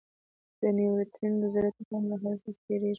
د نیوټرینو ذره تقریباً له هر څه تېرېږي.